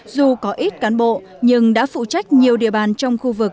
dù có ít cán bộ nhưng đã phụ trách nhiều địa bàn trong khu vực